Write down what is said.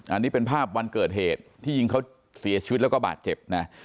อันนี้เป็นภาพวันเกิดเหตุที่ยิงเขาเสียชีวิตแล้วก็บาดเจ็บนะ